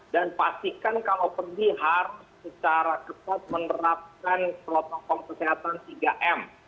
dan pastikan kalau pergi harus secara ketat menerapkan protokol kesehatan tiga m